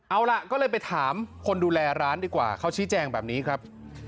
เอาล่ะก็เลยไปถามคนดูแลร้านดีกว่าเขาชี้แจงแบบนี้ครับ